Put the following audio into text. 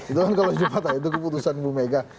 itu kan kalo jumat ya itu keputusan ibu mega